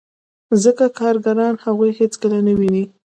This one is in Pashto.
ځکه کارګران هغوی هېڅکله نه ویني